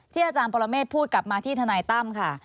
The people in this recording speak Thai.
อาจารย์ปรเมฆพูดกลับมาที่ทนายตั้มค่ะ